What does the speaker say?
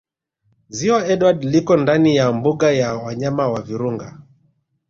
Ziwa Edward liko ndani ya Mbuga ya wanyama ya Virunga